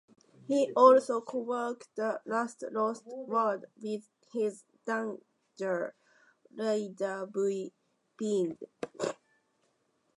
He also co-wrote "The Last Lost World" with his daughter, Lydia V. Pyne.